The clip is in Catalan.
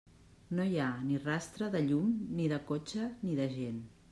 No hi ha ni rastre de llum ni de cotxe ni de gent.